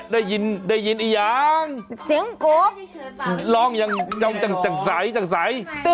ได้ยินอย่างนี้ยังลองอย่างจังใส